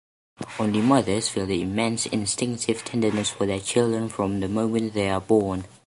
Only mothers feel the immense, instinctive tenderness for their children from the moment they are born.